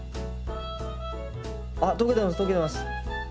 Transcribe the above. あ溶けてます溶けてます。